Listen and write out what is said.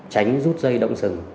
tránh rút dây động sừng